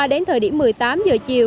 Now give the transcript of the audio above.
đến thời điểm một mươi tám h chiều